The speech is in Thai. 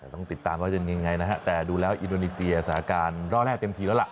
ต้องติดตามว่าจะยังไงนะฮะแต่ดูแล้วอินโดนีเซียสถานการณ์ร่อแร่เต็มทีแล้วล่ะ